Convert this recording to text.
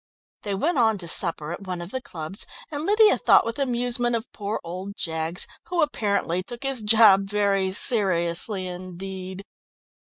They went on to supper at one of the clubs, and Lydia thought with amusement of poor old Jaggs, who apparently took his job very seriously indeed.